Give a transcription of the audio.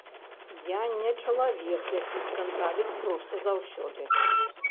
Я не чалавек, які скандаліць проста заўсёды.